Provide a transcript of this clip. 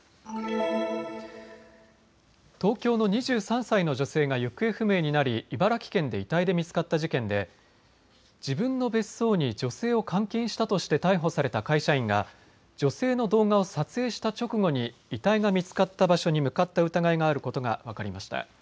東京の２３歳の女性が行方不明になり、茨城県で遺体で見つかった事件で自分の別荘に女性を監禁したとして逮捕された会社員が女性の動画を撮影した直後に遺体が見つかった場所に向かった疑いがあることが分かりました。